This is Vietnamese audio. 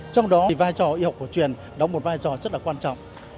trong đó vai trò y học cổ truyền đóng một vai trò rất là quan trọng